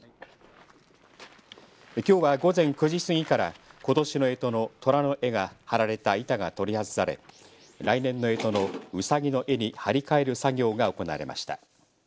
きょうは午前９時過ぎからことしのえとのとらの絵が貼られた板が取り外され来年のえとのうさぎの絵に張り替える作業が行われました。